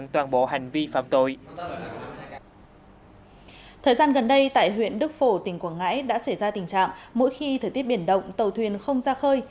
thời gian gần đây tại huyện đức phổ tỉnh quảng ngãi đã xảy ra tình trạng mỗi khi thời tiết biển động tàu thuyền không ra khơi